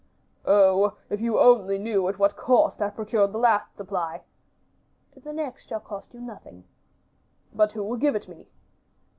"Oh! if you only knew at what a cost I procured the last supply." "The next shall cost you nothing." "But who will give it me?"